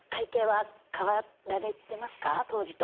当時と。